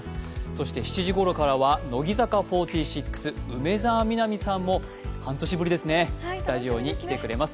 そして７時ごろからは乃木坂４６梅澤美波さんも半年ぶりですね、スタジオに来てくれます。